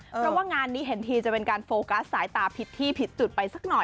เพราะว่างานนี้เห็นทีจะเป็นการโฟกัสสายตาผิดที่ผิดจุดไปสักหน่อย